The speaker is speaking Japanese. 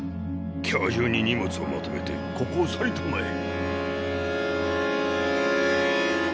今日中に荷物をまとめてここを去りたまえ。